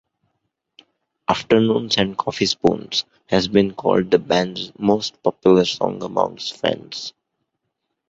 "Afternoons and Coffeespoons" has been called the band's most popular song amongst fans.